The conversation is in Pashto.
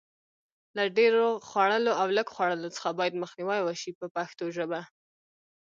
له ډېر خوړلو او لږ خوړلو څخه باید مخنیوی وشي په پښتو ژبه.